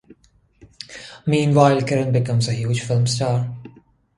Meanwhile, Kiran becomes a huge film star.